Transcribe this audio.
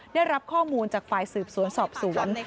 ได้รับข้อมูลจากฝ่ายสืบสวนสอบสวน